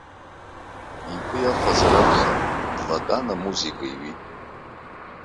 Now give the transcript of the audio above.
Игәы иахәазар акәхап, длатәан, амузыка иҩит.